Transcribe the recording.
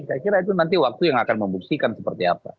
saya kira itu nanti waktu yang akan membuktikan seperti apa